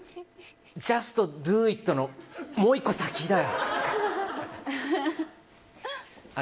ジャストドゥイットのもう１個先だ。